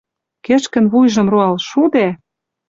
Кӹшкӹн вуйжым роал шу дӓ